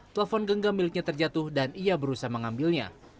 telepon genggam miliknya terjatuh dan ia berusaha mengambilnya